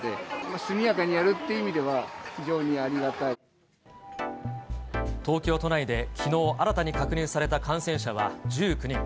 速やかにやるっていう意味では、東京都内できのう、新たに確認された感染者は１９人。